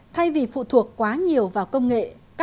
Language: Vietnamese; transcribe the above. thay vì phụ thuộc quá nhiều vào công nghệ